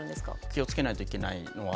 気をつけないといけないのはですね